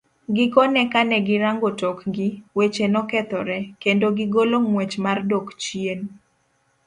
Gikone kane girango tok gi, weche nokethore, kendo gigolo ng'wech mar dok chien.